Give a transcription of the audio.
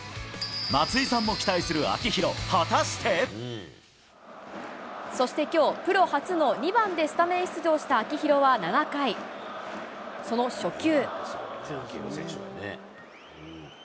松井さんも期待する秋広、そしてきょう、プロ初の２番でスタメン出場した秋広は７回、その初球。